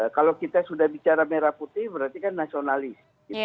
kalau kita sudah bicara merah putih berarti kan nasionalis